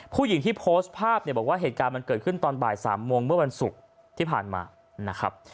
ผู้หญิงที่โพสต์ภาพเนี่ยบอกว่าเหตุการณ์มันเกิดขึ้นตอนบ่าย๓โมงเมื่อวันศุกร์ที่ผ่านมานะครับ